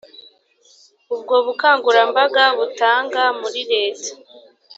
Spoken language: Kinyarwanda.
ubwo bukangurambaga butanga muri leta